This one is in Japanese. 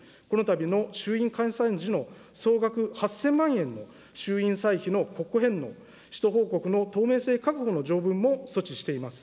このたびの衆議院解散時の総額８０００万円の衆院歳費の国庫返納、使途報告の透明性確保の条文も措置しています。